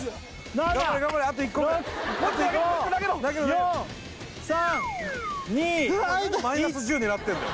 何でマイナス１０狙ってんだよ